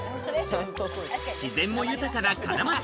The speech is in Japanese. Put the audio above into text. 自然も豊かな金町。